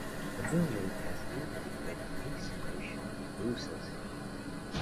The building has inadequate insulation and loses heat.